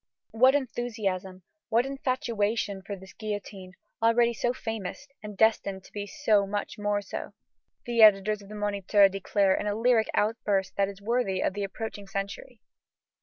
What enthusiasm, what infatuation, for this guillotine, already so famous and destined to be so much more so! The editors of the Moniteur declare in a lyric outburst that it is worthy of the approaching century.